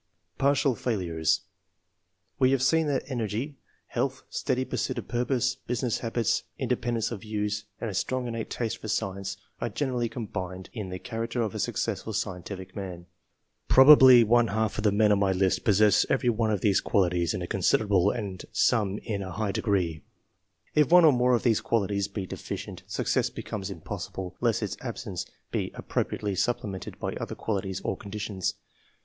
Partial Failures. — ^We have seen that energy, health, steady pursuit of purpose, business habits, independence of views, and a strong innate taste : for science, are generally combined in the cha j racter of a successful scientific man. y Probably one half of the men on my list possess every one of these qualities in a considerable, and some in a high degree. If one or more of these qualities iii.J OEIGIN OF TASTE FOE SCIENCE. 231 be deficient, success becomes impossible, unless its absence be appropriately supplemented by other qualities or conditions.